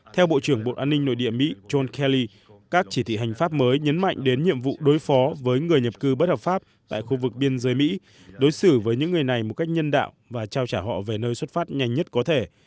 theo bộ trưởng bộ an ninh nội địa mỹ john kaly các chỉ thị hành pháp mới nhấn mạnh đến nhiệm vụ đối phó với người nhập cư bất hợp pháp tại khu vực biên giới mỹ đối xử với những người này một cách nhân đạo và trao trả họ về nơi xuất phát nhanh nhất có thể